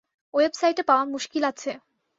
ওয়েবসাইটে পাওয়া মুশকিল আছে।